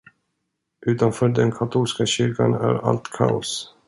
Utanför den katolska kyrkan är allt kaos.